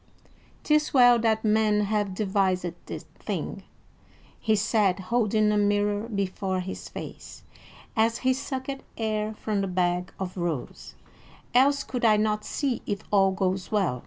"'Tis well that men have devised this thing," he said, holding a mirror before his face, as he sucked air from the bag of rose; "else could I not see if all goes well."